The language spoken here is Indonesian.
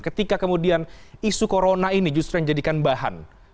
ketika kemudian isu corona ini justru yang dijadikan bahan